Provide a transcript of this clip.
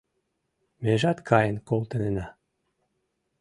Межат каен колтынена